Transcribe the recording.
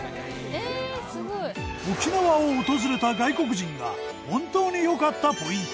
沖縄を訪れた外国人が本当に良かったポイント。